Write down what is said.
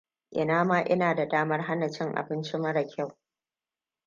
Ina ma ina da damar hana cin abinci mara kyau.